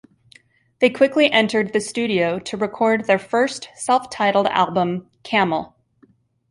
They quickly entered the studio to record their first self-titled album, "Camel".